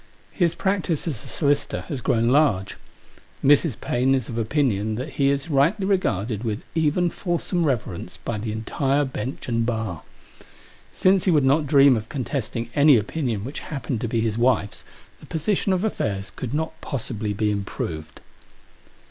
His practice as a solicitor has grown large. Mrs. Paine is of opinion that he is rightly regarded with even fulsome reverence by the entire bench and bar. Since he would not dream of contesting any opinion which happened to be his wife's, the position of affairs could not possibly be improved.